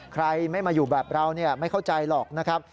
ใครไม่มาอยู่แบบเราไม่เข้าใจหรอกนะครับ